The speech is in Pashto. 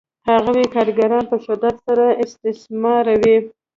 هغوی کارګران په شدت سره استثماروي